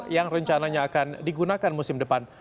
yang rencananya akan digunakan musim depan